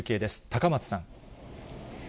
高松さん。